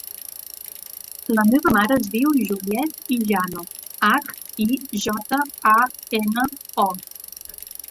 La meva mare es diu Juliet Hijano: hac, i, jota, a, ena, o.